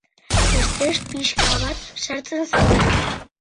Estres pixka bat sartzen zaigu.